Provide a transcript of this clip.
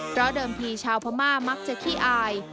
เพราะเดิมทีชาวพม่ามักจะขี้อาย